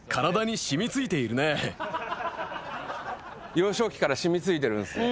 幼少期から染み付いてるんすね。